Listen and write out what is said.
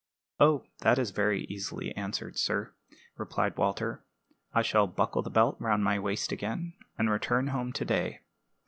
"Oh, that is very easily answered, sir," replied Walter. "I shall buckle the belt round my waist again, and return home to day."